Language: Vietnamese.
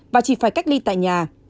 và chỉ phải cách ly tại nhà